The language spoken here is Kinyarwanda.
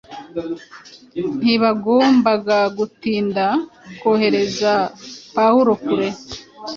Ntibagombaga gutinda kohereza Pawulo kure.